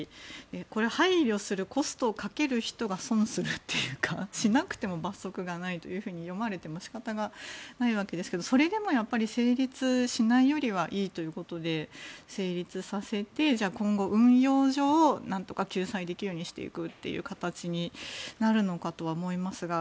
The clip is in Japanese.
配慮するコストかける人が損するっていうかしなくても罰則がないと読まれても仕方がないわけですけどそれでも成立しないよりはいいということで、成立させて今後、運用上何とか救済できるようにしていく形になるのかとは思いますが。